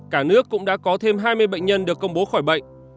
cả nước cũng đã có thêm hai mươi bệnh nhân được công bố khỏi bệnh